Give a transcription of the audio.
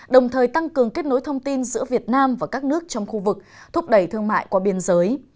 đồng thời tăng cường kết nối thông tin giữa việt nam và các nước trong khu vực thúc đẩy thương mại qua biên giới